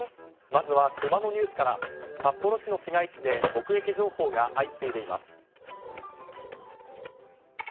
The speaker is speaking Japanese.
まずはクマのニュースから札幌市の市街地で目撃情報が相次いでいます。